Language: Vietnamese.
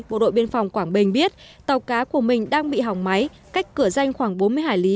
bộ đội biên phòng quảng bình biết tàu cá của mình đang bị hỏng máy cách cửa danh khoảng bốn mươi hải lý